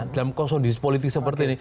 dalam kondisi politik seperti ini